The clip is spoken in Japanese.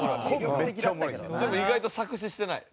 でも意外と作詞してない。